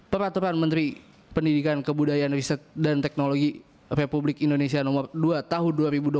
peraturan menteri pendidikan kebudayaan riset dan teknologi republik indonesia nomor dua tahun dua ribu dua puluh